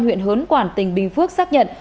huyện hớn quảng tỉnh bình phước xác nhận